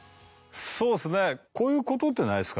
そうですねこういうことってないですか？